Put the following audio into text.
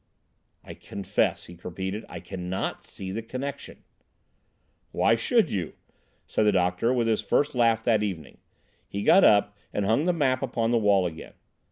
"I confess," he repeated, "I cannot see the connection." "Why should you?" said the doctor, with his first laugh that evening. He got up and hung the map upon the wall again.